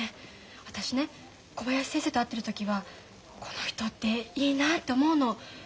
私ね小林先生と会ってる時はこの人っていいなあって思うの。